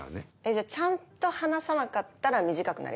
じゃあちゃんと話さなかったら短くなります？